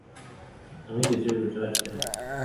আমি কিছু বুঝতে পারছি নে।